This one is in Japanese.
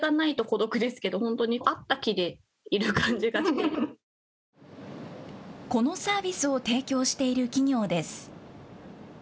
このサービスを提供している企業です。